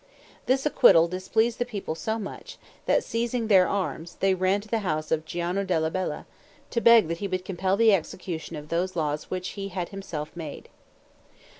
This acquittal displeased the people so much, that, seizing their arms, they ran to the house of Giano della Bella, to beg that he would compel the execution of those laws which he had himself made.